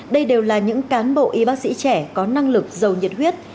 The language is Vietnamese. đây đều là những cán bộ y bác sĩ trẻ có năng lực giàu nhiệt huyết